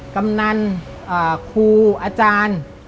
กำนันครูอาจารย์